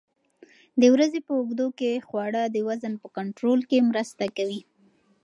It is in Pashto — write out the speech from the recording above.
د ورځې په اوږدو کې خواړه د وزن په کنټرول کې مرسته کوي.